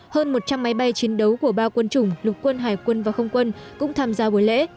hơn một trăm linh máy bay chiến đấu của bao quân chủng lục quân hải quân và không quân cũng tham gia buổi lễ